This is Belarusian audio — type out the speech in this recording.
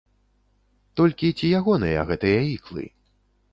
Толькі ці ягоныя гэтыя іклы?